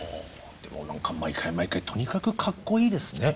でも毎回毎回とにかくカッコいいですね。